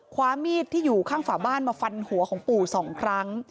ความมีดที่อยู่ข้างฝาบ้านมาฟันหัวของปู่๒ครั้ง